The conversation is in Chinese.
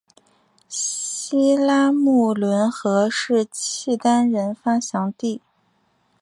西拉木伦河是契丹人发祥地。